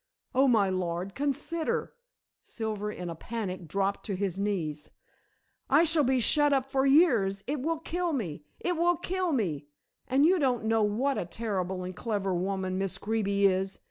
"Oh, my lord, consider." Silver in a panic dropped on his knees. "I shall be shut up for years; it will kill me; it will kill me! And you don't know what a terrible and clever woman Miss Greeby is.